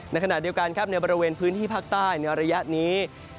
ขณะเดียวกันครับในบริเวณพื้นที่ภาคใต้ในระยะนี้